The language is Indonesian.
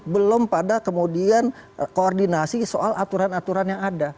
belum pada kemudian koordinasi soal aturan aturan yang ada